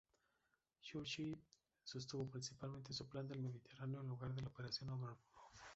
Churchill sostuvo principalmente su plan del Mediterráneo en lugar de la Operación Overlord.